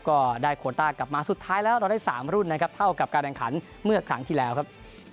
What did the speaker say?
ก็ได้โคต้ากลับมาสุดท้ายแล้วเราได้๓รุ่นนะครับเท่ากับการแข่งขันเมื่อครั้งที่แล้วครับ